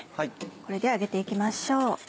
これで上げて行きましょう。